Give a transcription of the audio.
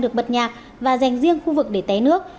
được bật nhạc và dành riêng khu vực để té nước